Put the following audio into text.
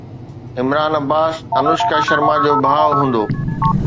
عمران عباس انوشڪا شرما جو ڀاءُ هوندو